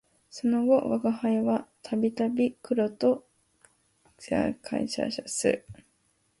その後吾輩は度々黒と邂逅する